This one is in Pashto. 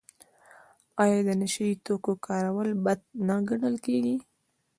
آیا د نشه یي توکو کارول بد نه ګڼل کیږي؟